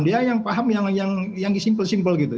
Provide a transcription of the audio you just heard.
dia yang paham yang disimpel simple gitu